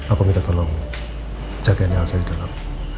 aku minta tolong jagain elsa di dalam